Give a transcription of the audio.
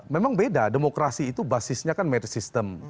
memang beda demokrasi itu basisnya kan merit system